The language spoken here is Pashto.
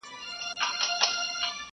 یار ګیله من له دې بازاره وځم